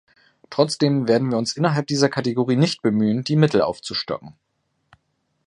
Trotzdem werden wir uns innerhalb dieser Kategorie nicht bemühen, die Mittel aufzustocken.